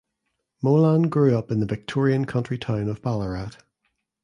Molan grew up in the Victorian country town of Ballarat.